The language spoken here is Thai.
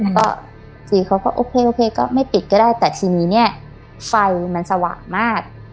ก็จีเขาก็โอเคโอเคก็ไม่ปิดก็ได้แต่ทีนี้เนี่ยไฟมันสว่างมาก